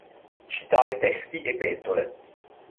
Citare testi e pentole.